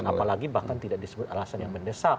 apalagi bahkan tidak disebut alasan yang mendesak